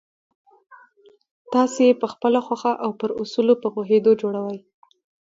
تاسې یې پخپله خوښه او پر اصولو په پوهېدو جوړوئ